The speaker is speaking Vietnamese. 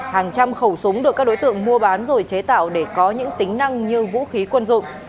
hàng trăm khẩu súng được các đối tượng mua bán rồi chế tạo để có những tính năng như vũ khí quân dụng